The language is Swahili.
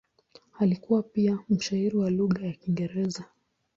Alikuwa pia mshairi wa lugha ya Kiingereza.